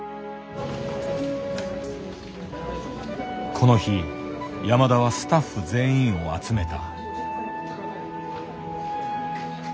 この日山田はスタッフ全員を集めた。